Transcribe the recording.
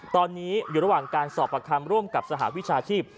ตอนนี้อยู่ระหว่างการสอบประคำร่วมกับสหวิชาชีพ